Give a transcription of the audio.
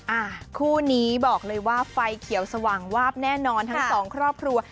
อ่าคู่นี้บอกเลยว่าไฟเขียวสว่างวาบแน่นอนทั้งสองครอบครัว